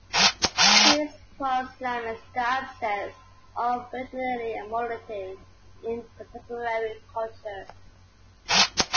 His prose laments the absence of originality and morality in contemporary culture.